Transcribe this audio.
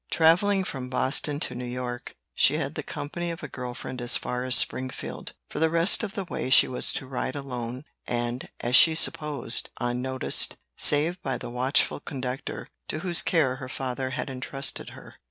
Traveling from Boston to New York, she had the company of a girl friend as far as Springfield. For the rest of the way she was to ride alone, and, as she supposed, unnoticed, save by the watchful conductor, to whose care her father had entrusted her.